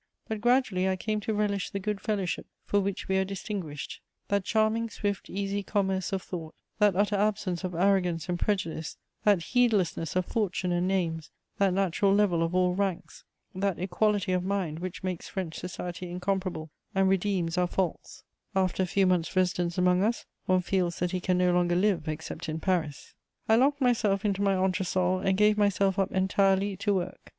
But gradually I came to relish the good fellowship for which we are distinguished, that charming, swift, easy commerce of thought, that utter absence of arrogance and prejudice, that heedlessness of fortune and names, that natural level of all ranks, that equality of mind which makes French society incomparable and redeems our faults: after a few months' residence among us, one feels that he can no longer live except in Paris. * I locked myself into my entre sol and gave myself up entirely to work.